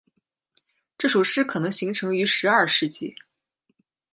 这首诗可能形成于十二世纪。